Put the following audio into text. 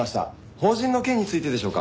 法人の件についてでしょうか？